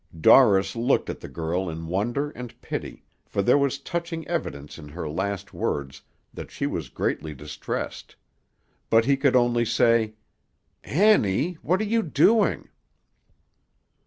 Dorris looked at the girl in wonder and pity, for there was touching evidence in her last words that she was greatly distressed; but he could only say, "Annie! what are you doing!"